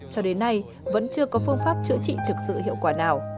cho đến nay vẫn chưa có phương pháp chữa trị thực sự hiệu quả nào